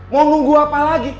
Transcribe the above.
mau nunggu apa lagi